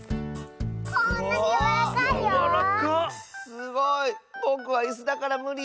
すごい！ぼくはいすだからむり！